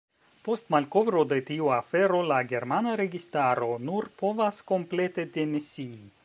Post malkovro de tiu afero, la germana registaro nur povas komplete demisii.